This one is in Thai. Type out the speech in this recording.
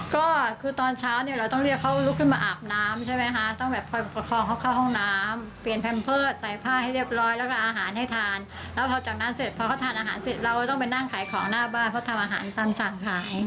ก็คือตอนเช้าเนี่ยเราต้องเรียกเขาลุกขึ้นมาอาบน้ำใช่ไหมคะต้องแบบคอยประคองเขาเข้าห้องน้ำเปลี่ยนแพมเพิร์ตใส่ผ้าให้เรียบร้อยแล้วก็อาหารให้ทานแล้วพอจากนั้นเสร็จพอเขาทานอาหารเสร็จเราก็ต้องไปนั่งขายของหน้าบ้านเพราะทำอาหารตามสั่งขาย